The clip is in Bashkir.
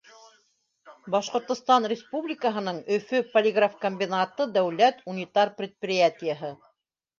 Башҡортостан Республикаһының «Өфө полиграфкомбинаты» дәүләт унитар предприятиеһы.